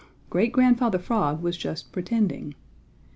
Great Grandfather Frog was just pretending.